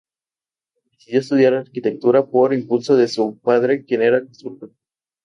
Decidió estudiar arquitectura por impulso de su padre, quien era constructor.